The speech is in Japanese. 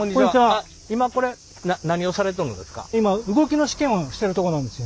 今これ何をされとるんですか？